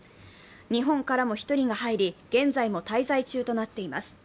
日本からも１人が入り、現在も滞在中となっています。